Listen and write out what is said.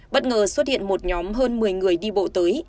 bất ngờ xuất hiện một nhóm hơn một mươi người đi bộ tới